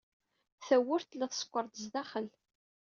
Tawwurt tella tsekkeṛ-d sdaxel.